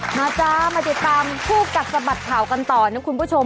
มาจ้ามาติดตามคู่กัดสะบัดข่าวกันต่อนะคุณผู้ชม